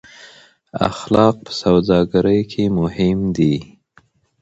اخلاق په سوداګرۍ کې مهم دي.